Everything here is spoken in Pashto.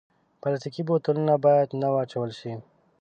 پلاستيکي بوتلونه باید نه واچول شي.